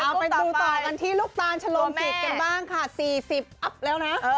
เอาไปดูต่อกันที่ลูกตาลชะลมจิตกันบ้างค่ะ๔๐อัพแล้วนะ